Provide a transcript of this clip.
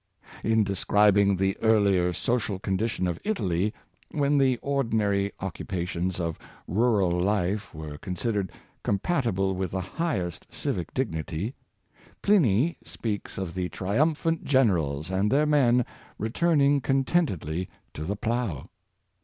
In describing the earlier social condition of Italy, when the ordinary occupations of rural life were con sidered compatible with the highest civic dignity, Pliny speaks of the triumphant generals and their men return ing contentedly to the plough.